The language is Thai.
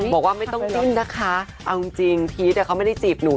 บอกว่าไม่ต้องคิดนะคะเอาจริงพีชเขาไม่ได้จีบหนู